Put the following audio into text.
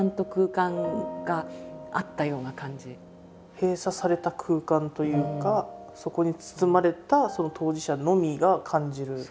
閉鎖された空間というかそこに包まれたその当事者のみが感じる。